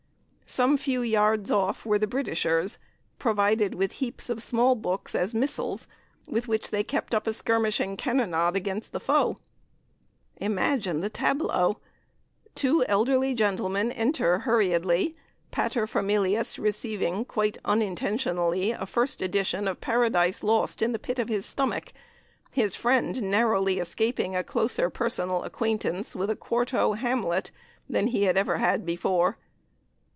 Some few yards off were the Britishers, provided with heaps of small books as missiles, with which they kept up a skirmishing cannonade against the foe. Imagine the tableau! Two elderly gentlemen enter hurriedly, paterfamilias receiving, quite unintentionally, the first edition of "Paradise Lost" in the pit of his stomach, his friend narrowly escaping a closer personal acquaintance with a quarto Hamlet than he had ever had before.